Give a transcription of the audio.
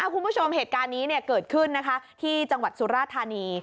คุณผู้ชมเหตุการณ์นี้เกิดขึ้นที่จังหวัดสุราธานี